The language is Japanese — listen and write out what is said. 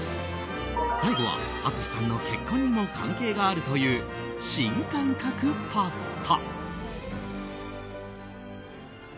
最後は淳さんの結婚にも関係があるという新感覚パスタ。